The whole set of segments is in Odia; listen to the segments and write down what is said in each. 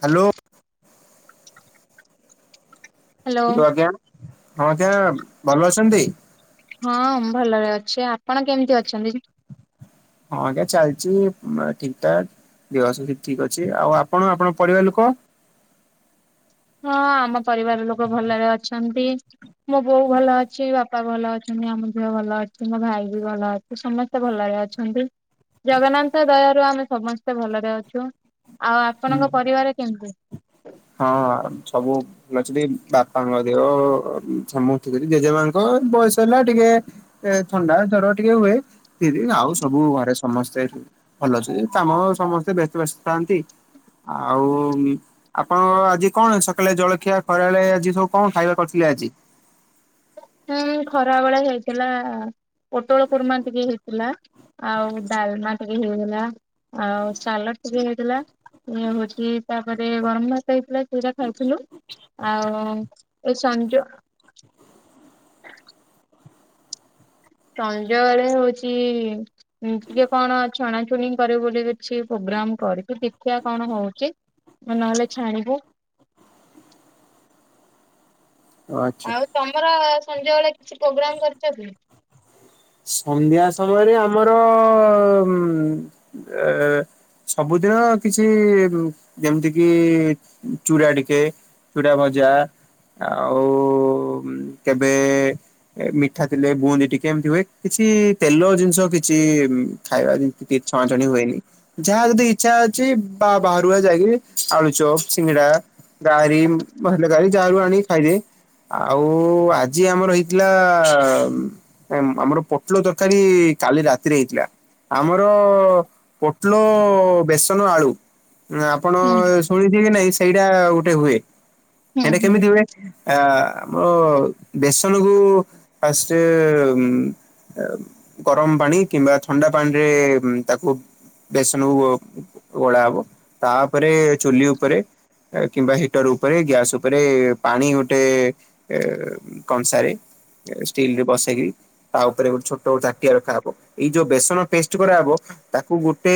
ହ୍ୟାଲୋ। ହ୍ୟାଲୋ ହ ଆଜ୍ଞା ହଁ ଆଜ୍ଞା ଭଲ ଅଛନ୍ତି? ହଁ ଭଲରେ ଅଛି। ଆପଣ କେମିତି ଅଛନ୍ତି? ହଁ ଆଜ୍ଞା ଚାଲିଛି ଠିକ୍ ଠିକ୍। [unintelligible] ଠିକ ଅଛି ଆଉ ଆପଣ ଆପଣ ପରିବାର ଲୋକ। ହଁ ଆମ ପରିବାର ଲୋକ ଭଲରେ ଅଛନ୍ତି। ମୋ ବୋଉ ଭଲ ଅଛି ବାପା ଭଲ ଅଛନ୍ତି ଆମ ଝିଅ ଭଲ ଅଛି ମୋ ଭାଇ ବି ଭଲ ଅଛି। ସମସ୍ତେ ଭଲରେ ଅଛନ୍ତି ଜଗନ୍ନାଥ ଦୟାରୁୁ ଆମେ ସମସ୍ତେ ଭଲରେ ଅଛୁ। ଆଉ ଆପଣଙ୍କ ପରିବାର କେମିତି? ହଁ ସବୁ [unintelligible] ଜେଜେମାଙ୍କ ବୟସ ହେଲା ଟିକେ ଏ ଥଣ୍ଡା ଜର ଟିକେ ହୁଏ। ଦିଦି ଆଉ ସବୁ ଘରେ ସମସ୍ତେ ଭଲ ଅଛନ୍ତି। [unintelligible] ସମସ୍ତେ ବ୍ୟସ୍ତ ବ୍ୟସ୍ତ ଥାନ୍ତି। ଆଉ। ଆପଣ ଆଜି କଣ ସକାଳେ ଜଳଖିଆ ଖରାବେଳେ ଆଜି ସବୁ କଣ ଖାଇବା କରିଥିଲେ ଆଜି ହୁଁ ଖରାବେଳେ ହେଇଥିଲା ପୋଟଳ କୁର୍ମା ଟିକେ ହେଇଥିଲା ଆଉ ଡ଼ାଲମା ଟିକେ ହେଇଗଲା ଆଉ ସାଲଟ୍ ଟିକେ ହେଇଥିଲା ଇଏ ହେଉଛି ତାପରେ ଗରମ ଭାତ ହେଇଥିଲା ସେଟା ଖାଉଥିଲୁ ଆଉ ଏ ସଞ୍ଜ ଡା ସଞ୍ଜହେଲେ ହଉଚି ଟିକେ କଣ ଛଣାଛୁଣି କରିବ ବୋଲି କିଛି ପ୍ରୋଗ୍ରାମ୍ କରଛି ଦେଖିବା କଣ ହେଉଛି ନହେଲେ ଛାଣିବୁ ଆଚ୍ଛା ଆଉ ତମର ସଞ୍ଜବେଳେ କିଛି ପ୍ରୋଗ୍ରାମ୍ କରିଛ କି ସନ୍ଧ୍ୟା ସମୟରେ ଆମର ସବୁଦିନ କିଛି ଯେମିତି କିି ଚୂରା ଟିକେ ଚୁଡା ଭଜା ଆଉ କେବେ ମିଠା ଥିଲେ ବୁନ୍ଦି ଟିକେ ଏମିତି ହୁଏ କିଛି ତେଲ ଜିନିଷ କିଛି ଖାଇବାତି ଛଣାଛଣି ହୁଏନି ଯାହା ଯଦି ଇଛା ଅଛି ବା ବାହାରୁ ଯାଇକି ଆଳୁ ଚପ୍ ସିଙ୍ଗଡା ଗାର ମସଲେ ଗାର ଜାରୁ ଆ ଖାଇଦିଏ ଆଉ ଆଜି ଆମର ହେଇଥିଲା ଆମର ପୋଟଳ ତରକାରୀ କାଲି ରାତିରେ ହେଇଥିଲା ଆମର ପୋଟଳ ବେସନ ଆଳୁ ଆପଣ ହୁଁ ଶୁଣିିଥିବେ କି ନାଇଁ ସେଇଟା ଗୋଟେ ହୁଏ ହୁଁ ସେଟା ହୁଁ କେମିତି ହୁଏ ଆ ଆମର ବେସନ କୁ ଫାଷ୍ଟ ଗରମ ପାଣି କିମ୍ବା ଥଣ୍ଡା ପାଣିରେ ତାକୁ ବେସନକୁ ଗୋଳା ହବ ତାପରେ ଚୁଲି ଉପରେ କିମ୍ବା ହିଟର ଉପରେ ଗ୍ୟାସ୍ ଉପରେ ପାଣି ଗୋଟେ ଏ କଂସାରେ ଷ୍ଟିଲିରେ ବସେଇକି ତା ଉପରେ ଗୋଟେ ଛୋଟ ଚାଟିଆ ରଖାହବ ଏଇ ଯୋଉ ବେସନ ପେଷ୍ଟ କରାହେବ ତାକୁ ଗୋଟେ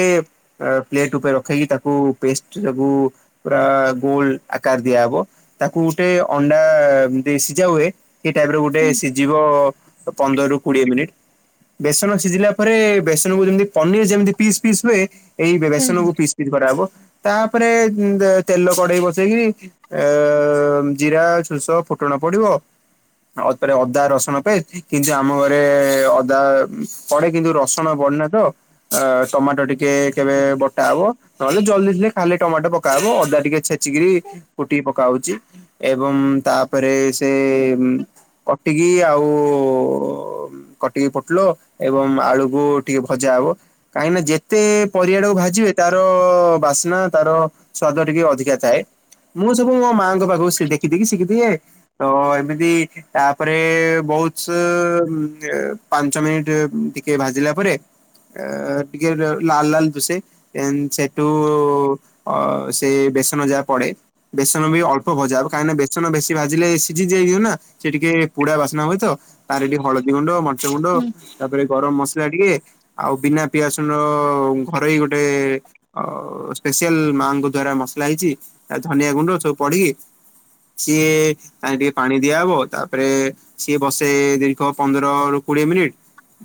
ପ୍ଲେଟ୍ ଉପରେ ରଖିକି ତାକୁ ପେଷ୍ଟ ସବୁ ପୁରା ଗୋଲ ଆକାର ଦିଆହବ ତାକୁ ଗୋଟେ ଅଣ୍ଡା ଯେମିତି ସିଝା ହୁଏ ସେ ଟାଇପିର ଗୋଟେ ହୁଁ ସିଝିବ ପନ୍ଦରରୁ କୋଡିଏ ମିନିଟ୍ ବେସନ ସିଝିଲା ପରେ ବେସନକୁ ଯେମିତି ପନିରି ଯେମିତିି ପିସ୍ ପିସ୍ ହୁଏ ଏଇ ହୁଁ ହୁଁ ବେସନକୁ ପିସ୍ ପିସ୍ କରାହେବ ତାପରେ ତେଲ କଡେଇ ବସେଇକି ଏ ଜିରା ସୋରିଷ ଫୁଟଣ ପଡ଼ିବ ତାପରେ ଅଦା ରସୁଣ ପେଷ୍ଟେ ଏ ଯେଉଁ ଆମ ଘରେ ଅଦା ପଡ଼େ କିନ୍ତୁ ରସୁଣ ପଡେ ନା ତ ଅ ଟମାଟୋ ଟିକେ କେବେ ବଟା ହବ ନହେଲେ ଜଲ୍ଦି ଥିଲେ ଖାଲି ଟମାଟୋ ପକା ହବ ଅଦା ଟିକେ ଛେଚିକି କୁଟିକି ପକାହେଉଛି ଏବଂ ତାପରେ ସେ କଟିକି ଆଉ କଟିକି ପୋଟଳ ଏବଂ ଆଳୁକୁ ଟିକେ ଭଜା ହବ କାହିଁକି ନା ଯେତେ ପରିବାଟାକୁ ଭାଜିବେ ତାର ବାସ୍ନା ତାର ସ୍ଵାଦ ଟିକେ ଅଧିକା ଥାଏ ମୁଁ ସବୁ ମୋ ମାଆଙ୍କ ପାଖକୁ ଦେଖିଦେଖିକି ଶିଖିଦିଏ ତ ଏମିତି ତାପରେ ବହୁତ ପାଞ୍ଚ ମିନିଟ୍ ଟିକେ ଭାଜିଲା ପରେ ଅ ଟିକେ ଲାଲ୍ ଲାଲ୍ ଦୁଷେ ଏମ ସେଠୁ ଅ ସେ ବେସନ ଯାହା ପଡେ। ବେସନ ବି ଅଳ୍ପ ଭଜା ହବ। କାହିଁକି ବେସନ ବେଶୀ ଭାିଲେ ସିଝି ଯାଇଯିବ ନା। ସେ ଟିକେ ପୁଡା ବାସ୍ନା ହୁଏ। ତାର ଟିକେ ହଳଦୀ ଗୁଣ୍ଡ, ମରିଚ ଗୁଣ୍ଡ ହୁଁ। ତାପରେ ଗରମ ମସଲା ଟିକେ, ଆଉ ବିନା ପିଆସ ଘରେୋଇ ଗୋଟେ - - ଆ ସ୍ପେଶଆଲ ମାଆଙ୍କ ଦ୍ଵାରା ମସଲା ହେଇଚି ଧନିଆ ଗୁଣ୍ଡ ସବୁ ପଡିକି- - ସିଏ ତାେଲେ ଟିକେ ପାଣି ଦିଆହବ ତାପରେ ସିଏ ବସେଇ ଦୀର୍ଘ ପନ୍ଦର ରୁ କୋଡିଏ ମିନିଟ,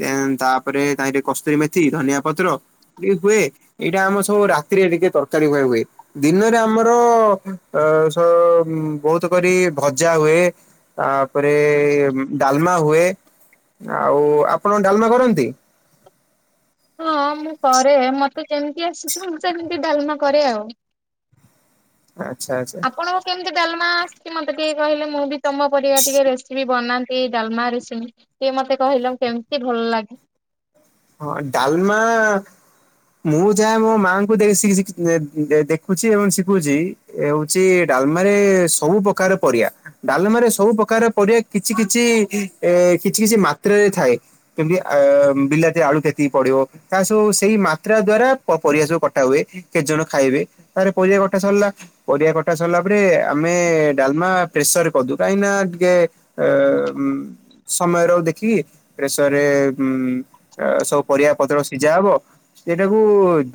ଦେ ତାପରେ ତାରେ କସ୍ତୁରୀ ମେଥି, ଧନିଆ ପତ୍ର- - ଟେ ହୁଏ ଏଇଟା ଆମର ସବୁ ରାତିରେ ଟିକେ ତରକାରୀ ପାଇଁ ହୁଏ। ଦିନରେ ଆମର ଅ ବହୁତ କରି ଭଜା ହୁଏ। ତାପରେ ଡାଲମା ହୁଏ। ଆଉ ଆପଣ ଡାଲମା କରନ୍ତି। ହଁ ମୁଁ କରେ ମତେ କେମିତି ଆସିଛି ମୁଁ ସେମିତି ଡାଲମା କରେ ଆଉ। ଆଚ୍ଛା ଆଛା ଆପଣଙ୍କୁ କେମିତି ଡାମା ଆସିଛି ମୋତେ ଟିକେ କହିଲେ ମୁ ବି ତମ ପରିବା ଟିକେ ରେଷ୍ଟ - - କି ବି ବନାନ୍ତି ଡାଲମା ରରେସିମ ଟିକେ ମତେ କହିଲେ କେମିତି ଭଲ ଲାଗେ? ହଁ ଡାଲମା - - ମୁଁ ଯାହା ମୋ ମାଆଙ୍କୁ ଦେ ସି ସି ଦେ ଦେଖୁଛି ଏବଂ ଶିଶୁଚି। ଏ ହଉଚି ଡାଲମାରେ ସବୁ ପ୍ରକାର ପରିଆ। ଡାଲମାରେ ସବୁ ପ୍ରକାର ପରିବା କିଛି କିଛି ଏ କିଛି କିଛି ମାତ୍ରାରେ ଥାଏ। କେମତି ଅ ବିଲା - - ଆଳୁ କେତିକି ପଡିବ ତା ସବୁ ସେଇ ମାତ୍ରା ଦ୍ଵାରା ପରିବା ସବୁ କଟା ହୁଏ। କେତେ ଜଣ ଖାଇବେ ତାରେ ପରିଆ କଟା ସରିଲା। ପରିଆ କଟା ସରିଲା ପରେ ଆମେ ଡାଲମା ପ୍ରେସରରେ କରିଦୁ କାହିଁକି ଟିକେ - - ଏ ସମୟ ର ଦେଖିକି ପ୍ରେସରରେ ଉଁ - - ସବୁ ପରିବା ପତ୍ର ସିଝା ହବ। ସେଇଟାକୁ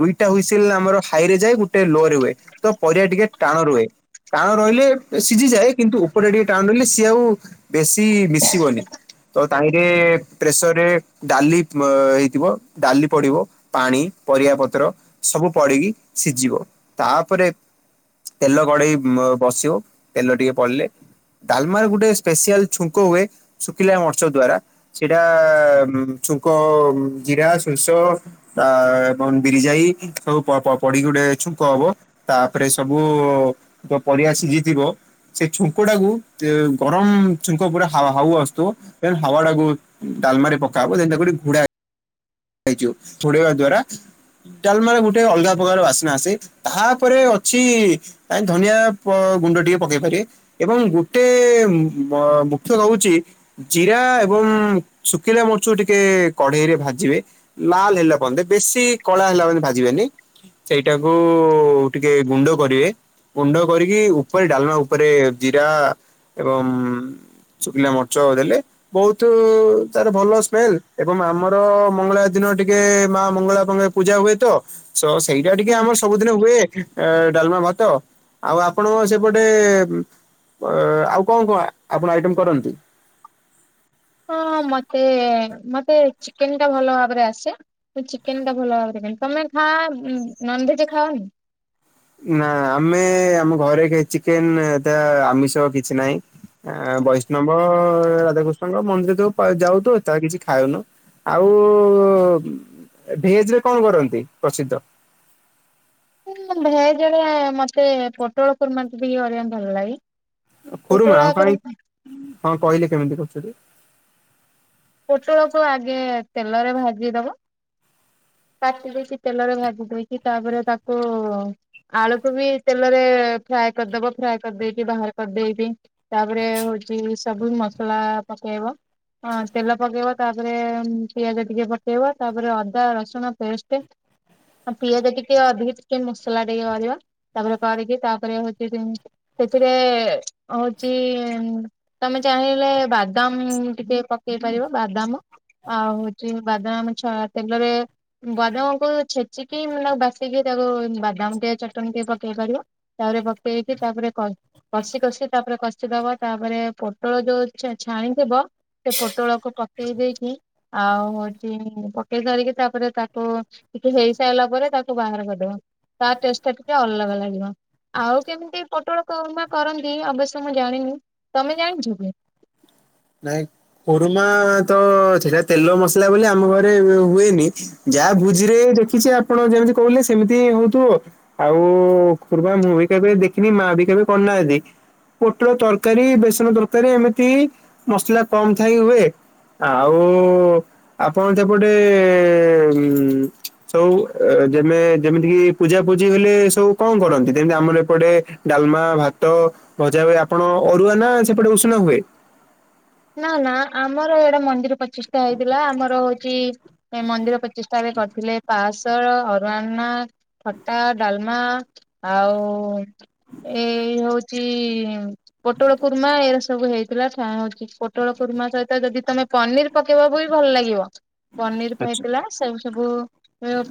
ଦୁଇଟା ହୁଇସିଲ ଆମର ହାଇ ରେ ଯାଏ ଗୋଟେ ଲୋ ରେ ହୁଏ। ତ ପରିବା ଟିକେ ଟାଣ ରୁହେ। ଟାଣ ରହିଲେ ସିଝିଯାଏ। କିନ୍ତୁ ଉପରେ ଟିକେ ଟାଣ ରହିଲେ ସିଏ ଆଉ ବେଶୀ ମିଶିବନି। ତ ତାହିଁରେ ପ୍ରେସରରେ ଡାଲି - - ହେଇଥିବ। ଡାଲି ପଡିବ, ପାଣି ପରିବା ପତ୍ର ସବୁ ପଡିକି ସିଝିବ ତାପରେ ତେଲ କଡ଼େଇ ବସିବ ତେଲ ଟିକେ ପଡ଼ିଲେ - - ଡାଲମାର ଗୋଟେ ସ୍ପେଶସିଆଲ ଛୁଙ୍କ ହୁଏ ଶୁଖିଲା ମରିଚ ଦ୍ଵାରା। ସେଟା ଛୁଙ୍କ ଜିରା ସୋରିଷ ତା ଏବଂ ବିରି ଯାଇ ସବୁ ପଡିକି ଗୋଟେ ଛୁଙ୍କ ହବ। ତାପରେ ସବୁ ପରିବା ସିଝିଥିବ - - ସେଇ ଛୁଙ୍କ ଟାକୁ ଗରମ ଛୁଙ୍କ ପୁରା ହାଉ ହାଉ ଆସୁଥିବ। - - ହାୱଡାକୁ ଡାଲମାରେ ପକା ହବ ସେ ତାକୁ ହେଠୀ ଘୁଡ଼ା - - ହେଇଯିବ ଘୋଡ଼ାଇବା ଦ୍ବାରା ଡାଲମାର ଗୋଟେ ଅଲଗା ପ୍ରକାର ବାସ୍ନା ଆସେ ତାପରେ ଅଛି - - କାଇଁ ଧନିଆ ଗୁଣ୍ଡ ଟିକେ ପକେଇ ପାରିବେ। ଏବଂ ଗୋଟେ ମୁଖ୍ୟ ହଉଚି। ଜିରା ଏବଂ ଶୁଖିଲା ମରିଚ ଟିକେ କଡେଇରେ ଭାଜିବେ। ଲାଲ ହେଲା ପର୍ଯ୍ୟନ୍ତେ ବେଶୀ କଳା ହେଲା ପଯ୍ୟନ୍ତ ଭାଜିବେନି। ସେଇଟାକୁ ଟିକେ ଗୁଣ୍ଡ କରିବେ। ଗୁଣ୍ଡ କରିକି ଉପରେ ଡାଲମା ଉପରେ ଜିରା ଏବଂ ଶୁଖିଲା ମର୍ଚ ଦେଲେ ବହୁତ ତାର ଭଲ ସ୍ମେଲ ଏବଂ ଆମର ମଙ୍ଗଳା ଦିନ ଟିକେ ମା ମଙ୍ଗଳାମ ପୂଜା ହୁଏ ତ ସେଇଟା ଟିକେ ହୁଁ। ଆମର ସବୁଦିନ ହୁଏ। ଡାଲମା ଭାତ ଆଉ ଆପଣଙ୍କ ସେପଟେ ଅ ଆଉ କଣ କଣ ଆପଣ ଆଇଟମ୍ କରନ୍ତି? ହଁଁ ମତେ ମତେ ଚିକେନ ଟା ଭଲ ଭାବରେ ଆସେ। ମୁଁ ଚିକେନ ଟା ଭଲ ଭାବରେ କରେ, ତମେ ଖାଅ ନନଭେଜ ଖାଅନି। ନା ଆମେ ଆମ ଘରେ କେହି ଚିକେନ ଯା ଆମିଷ କିଛି ନାହିଁ। ଆ ବୈଷ୍ଣବ ରାଧାକୃ ତାଙ୍କ ମନ୍ଦିର ଯଉ ଯାଉ ତ ତାହା କିଛି ଖାଉନୁ ଆଉ ଭେଜ ରେ କଣ କରନ୍ତି ପ୍ରସିଦ୍ଧ। ଭେଜ ରେ ମତେ ପୋଟଳକୁର୍ମାନ୍ତି ବି କରିବାକୁ ଭଲଲାଗେ। କୁରୁମା କାହିଁ ହଁ କହିଲେ କେମିତି କରୁଚ ଯେ। ପୋଟଳକୁୁ ଆଗେ ତେଲରେ ଭାଜିଦବ। କାଟି ଦେଇକି ତେଲରେ ଭାଜିି ଦେଇକି ତାପରେ ତାକୁ ଆଳୁକୁ ବି ତେଲରେ ଫ୍ରାଏ କରିଦବ ଫ୍ରାଏ କରିଦେଇକି ବାହାର କରିଦେଇକି ତାପରେ ହଉଛି ସବୁ ମସଲା ପକେଇବା ହଁ ତେଲ ପକେଇବ ତାପରେ ପିଆଜ ଟିକେ ପକେଇବ ତାପରେ ଅଦା, ରସୁଣ ପେଷ୍ଟ। ହ ପିଆଜ ଟିକେ ଅଧିକି ଟିକେ ମସଲା ଟିକେ କରିବା ତାପରେ କରିକି ତାପରେ ହଉଛି ସେଥିରେ ହଉଛି ତମେ ଚାହିଁଲେ ବାଦାମ ଟିକେ ପକେଇ ପାରିବ ବାଦାମ। ଆଉ ହଉଛି ବାଦାମ ଛ ତେଲରେ ବାଦାମକୁ ଛେଚିକି ମାନେ ତାକୁ ବାଟିକି ତାକୁ ବାଦାମ ଟେ ଚଟଣି ଟେ ପକେଇ ପାରିବ। ତାପରେ ପପେଇକି ତାପରେ କ କଷି କଷି ତାପରେ କଷିଦବ ତାପରେ ପୋଟଳ ଯୋଉ ଛାଣିଥିବ ସେ ପୋଟଳକୁ ପକେଇ ଦେଇେଇକି ଆଉ ହଉଚି ପକେଇ ସାରିକି ତାପରେ ତାକୁ ଟିକେ ହେଇସାରିଲା ପରେ ତାକୁ ବାହାର କରିଦବା ତା ଟେଷ୍ଟ ଟା ଟିକେ ଅଲଗା ଲାଗିବ। ଆଉ କେମିତି ପୋଟଳକୁରୁମା କରନ୍ତି ଅବଶ୍ୟ ମୁଁ ଜାଣିନି ତମେ ଜାଣିଛ କି? ନାଇଁ କୁରୁମା ତ ସେଟା ତେଲ ମସଲା ବୋଲି ଆମ ଘରେ ହୁଏନି। ଯାହା ଭୋଜି ରେ ଦେଖିଛି ଆପଣ ଯେମିତି କହିଲେ ସେମିତି ହିଁ ହଉଥିବ। ଆଉ ଖୁରୁବା ମୁଁ ବି କେବେ ଦେଖିନି ମା ବି କେବେ କରିନାହାନ୍ତି। ପୋଟଳ ତରକାରୀ ବେସନ ତରକାରୀ ଏମିତି ମସଲା କମ ଥାଇ ହୁଏ। ଆଉ ଆପଣ ସେପଟେ ସବୁ ଯେମେ ଯେମିତି କିି ପୂଜା ପୂଜି ହେଲେ ସବୁ କଣ କରନ୍ତି ଯେମିତି ଆମର ଏପଟେ ଡାଲମା ଭାତ ଭଜା ହୁଏ ଆପଣ ଅରୁଆ ନା ସେପଟେ ଉଷୁନା ହୁଏ? ନା ନା ଆମର ଏଡେ ମନ୍ଦିର ପଚ ପ୍ରଚିଷ୍ଟା ହେଇଥିଲା ଆମର ହଉଛି ମନ୍ଦିର ପ୍ରଚିଷ୍ଟା ଏବେ କରିଥିଲେ ପାସଳ ଅରୁୱନା ଖଟା ଡାଲମା ଆଉ ଏଇ ହଉଚି ପୋଟଳ କୁର୍ମା ଏଇର ସବୁ ହେଇଥିଲା ପୋଟଳ କୁର୍ମା ସହିତ ଯଦି ତମେ ପନିର ପକେଇବ ବି ଭଲ ଲାଗିବ। ପନିର ପା ଆଚ୍ଛା ହେଇଥିଲା ସେ ସବୁ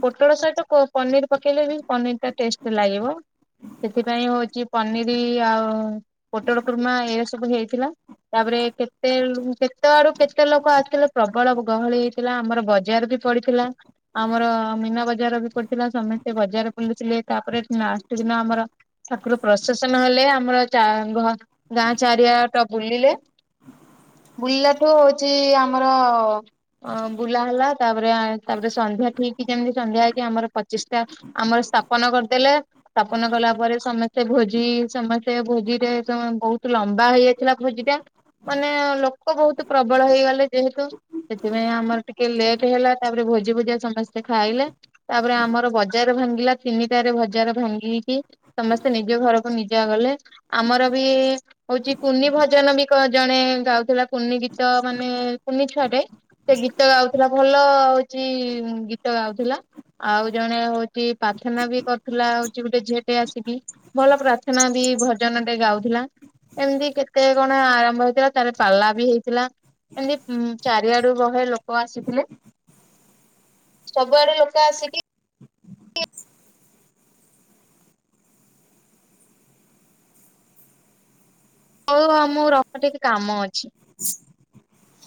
ପୋଟଳ ସହିତ କୋ ପନିର ପକେଇଲେ ବି ପନିର ଟା ଟେଷ୍ଟେ ଲାଗିବ। ସେଥିପାଇଁ ହଉଛି ପନିର ଆଉ ପୋଟଳ କୁର୍ମା ଏୟା ସବୁ ହେଇଥିଲା ତାପରେ କେତେ କେତେ ଆଡୁ କେ କେତେ ଲୋକ ଆସିଥିଲେ ପ୍ରବଳ ଗହଳି ହେଇଥିଲା ଆମର ବଜାର ବି ପଡିଥିଲା। ଆମର ମୀନା ବଜାର ବି ପଡିଥିଲା ସମସ୍ତେ ବଜାର ବୁଲୁଥିଲେ ତାପରେ ଲାଷ୍ଟ ଦିନ ଆମର ଠାକୁର ପ୍ରଶାସନ ହେଲେ ଆମର ଯାଘ ଗାଁ ଚାରିଆଡ ବୁଲିଲେ। ବୁଲିଲାଠୁ ହଉଛି ଆମର ଅ ବୁଲା ହେଲା ତାପରେ ତାପରେ ସନ୍ଧ୍ୟା ଠିକ୍ ଯେମିତି ସନ୍ଧ୍ୟା ହେଇଛି ଆମର ପ୍ରତିଷ୍ଟା ଆମର ସ୍ଥାପନ କରିଦେଲେ। ସ୍ଥାପନ କଲା ପରେ ସମସ୍ତେ ଭୋଜି ସମସ୍ତେ ଭୋଜିରେ ବହୁତ ଲମ୍ବା ହେଇଯାଇଥିଲା ଭୋଜି ଟା ମାନେ ଲୋକ ବହୁତ ପ୍ରବଳ ହେଇଗଲେ ଯେହେତୁ ସେଥିପାଇଁ ଆମର ଟିକେ ଲେଟ୍ ହେଲା ତାପରେ ଭୋଜି ଫୋଜି ଆ ସମସ୍ତେ ଖାଇଲେ ତାପରେ ଆମର ବଜାର ଭାଙ୍ଗିଲା ତିନିଟାରେ ବଜାର ଭାଙ୍ଗିକି ସମସ୍ତେ ନିଜ ଘରକୁ ନିଜେ ଗଲେ। ଆମର ବି ହଉଛି କୁନି ଭଜନ ବି କରି ଜଣେ ଗାଉଥିଲା କୁନି ଗୀତ ମାନେ କୁନି ଛୁଆଟେ ସେ ଗୀତ ଗାଉଥିଲା ଭଲ ହଉଛି ଗୀତ ଗାଉଥିଲା। ଆଉ ଜଣେ ହଉଛି ପ୍ରାର୍ଥନା ବି କରୁଥିଲା ହଉଛି ଗୋଟେ ଝିଅ ଟେ ଆସିକି। ଭଲ ପ୍ରାର୍ଥନା ବି ଭଜନ ଟେ ଗାଉଥିଲା। ଏମିତି କେତେ କଣ ଆର ଆରମ୍ଭ ହେଇଥିଲା ତାପରେ ପାଲା ବି ହେଇଥିଲା। ଏମିତି ଚାରିଆଡୁ ବହେ ଲୋକ ଆସିଥିଲେ। ସବୁଆଡୁ ଲୋକ ଆସିକି ହଉ ଆ ମୁଁ ରଖୁଛି ଟିକେ କାମ ଅଛି।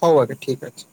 ହଉ ଆଜ୍ଞା ଠିକ୍ ଅଛି।